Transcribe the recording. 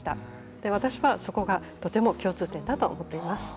で私はそこがとても共通点だと思っています。